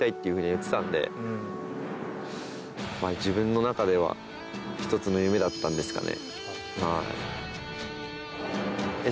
自分の中では１つの夢だったんですかね。